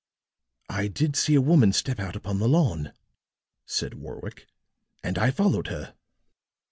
"I did see a woman step out upon the lawn," said Warwick, "and I followed her."